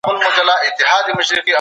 ښه ذهنیت انرژي نه خرابوي.